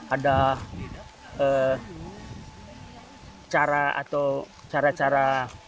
ada cara atau cara cara